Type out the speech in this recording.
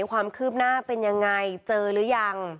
ความคืบหน้าเป็นยังไงเจอหรือยัง